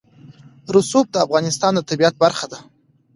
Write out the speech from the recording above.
رسوب د افغانستان د طبیعت برخه ده.